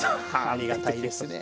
ありがたいですね。